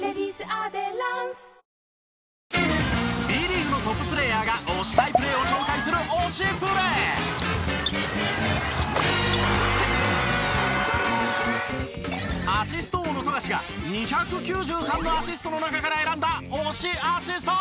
Ｂリーグのトッププレーヤーが推したいプレーを紹介するアシスト王の富樫が２９３のアシストの中から選んだ推しアシスト。